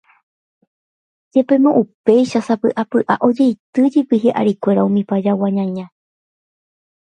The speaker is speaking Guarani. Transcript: Jepémo upéicha, sapy'apy'a, ojeitýjepi hi'arikuéra umi Pajagua ñaña